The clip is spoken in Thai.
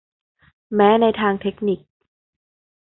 แม้ในทางเทคนิค